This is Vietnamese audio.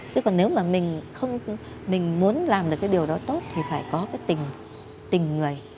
thế còn nếu mà mình muốn làm được cái điều đó tốt thì phải có cái tình người